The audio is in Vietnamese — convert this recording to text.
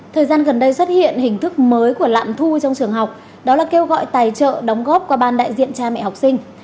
thời gian gần đây xuất hiện hình thức mới của lạm thu trong trường học đó là kêu gọi tài trợ đóng góp qua ban đại diện cha mẹ học sinh